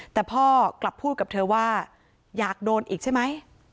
แต่พ่อกลับพูดกับเธอว่าอยากโดนอีกใช่ไหม